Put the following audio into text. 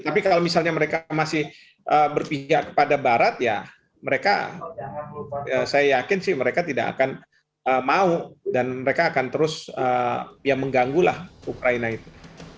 tapi kalau misalnya mereka masih berpihak kepada barat ya mereka saya yakin sih mereka tidak akan mau dan mereka akan terus ya mengganggulah ukraina itu